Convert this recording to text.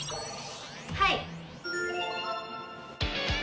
はい！